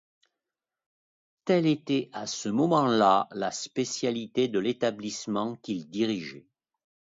Tel était à ce moment là la spécialité de l'établissement qu'il dirigeait.